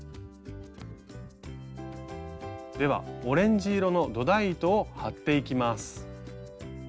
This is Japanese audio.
ではオレンジ色の土台糸を張っていきます。